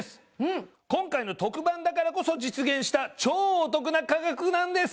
今回の特番だからこそ実現した超お得な価格なんです！